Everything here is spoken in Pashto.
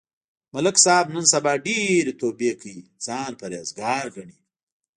ملک صاحب نن سبا ډېرې توبې کوي، ځان پرهېز گار گڼي.